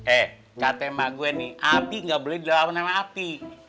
eh katama gue nih api nggak boleh dilawan sama api